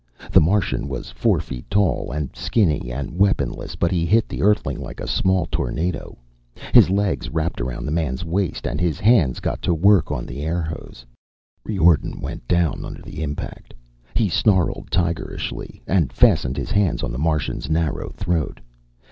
The Martian was four feet tall, and skinny and weaponless, but he hit the Earthling like a small tornado. His legs wrapped around the man's waist and his hands got to work on the airhose. Riordan went down under the impact. He snarled, tigerishly, and fastened his hands on the Martian's narrow throat.